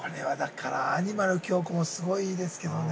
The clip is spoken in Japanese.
◆アニマル京子もすごいいいですけどね。